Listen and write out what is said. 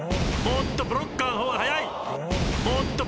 おっとブロッカーの方が早い。